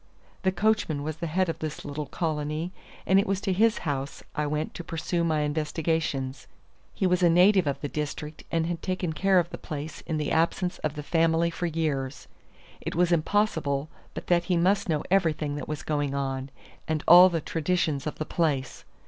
The coachman was the head of this little colony, and it was to his house I went to pursue my investigations. He was a native of the district, and had taken care of the place in the absence of the family for years; it was impossible but that he must know everything that was going on, and all the traditions of the place.